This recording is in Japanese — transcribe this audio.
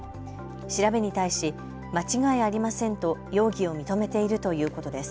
調べに対し間違いありませんと容疑を認めているということです。